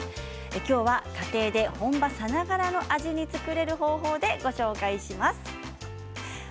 今日は家庭で本場さながらの味に作れる方法でご紹介します。